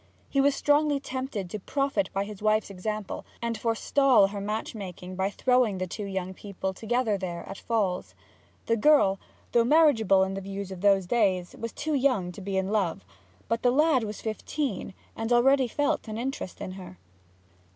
He was strongly tempted to profit by his wife's example, and forestall her match making by throwing the two young people together there at Falls. The girl, though marriageable in the views of those days, was too young to be in love, but the lad was fifteen, and already felt an interest in her.